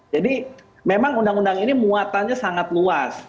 jadi memang undang undang ini muatannya sangat luas